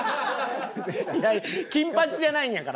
金八じゃないんやから。